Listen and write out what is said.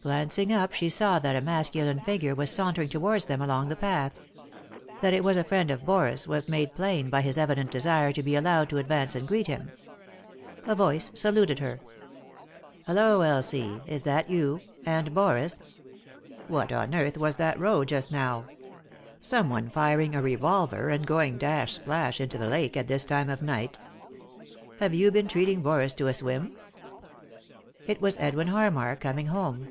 Glancing up she saw that a masculine figure was sauntering towards them along the path. That it was a friend of Boris' was made plain by his evident desire to be allowed to advance and greet him. A voice saluted her. 178 3i 9 iii^d by Google THE INTERRUPTED KISS " Hollo, Elsie, is that you— and Boris. What on earth was that row just now? Someone firing a revolve*, and going dash splash into the lake, at this time of night Have yon been treating Boris to a It was Edwin Hannar, coming home.